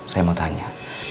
saya mau tanya